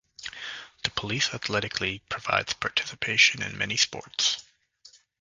The Police Athletic League provides participation in many sports.